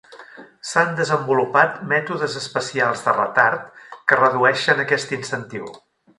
S'han desenvolupat mètodes especials de retard que redueixen aquest incentiu.